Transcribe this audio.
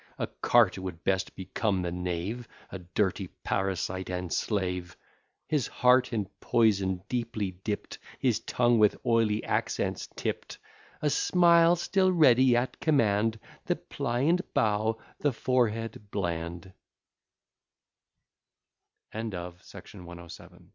A cart would best become the knave, A dirty parasite and slave! His heart in poison deeply dipt, His tongue with oily accents tipt, A smile still ready at command, The pliant bow, the forehead bland "ON THE ARMS OF THE TOW